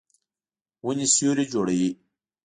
ونې سیوری جوړوي.